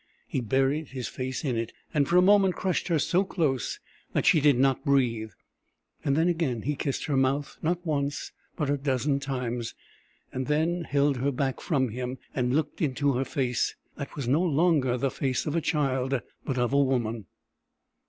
He buried his face in it, and for a moment crushed her so close that she did not breathe. And then again he kissed her mouth, not once but a dozen times, and then held her back from him and looked into her face that was no longer the face of a child, but of a woman.